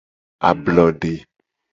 Ablode.